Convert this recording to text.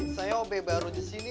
saya baru disini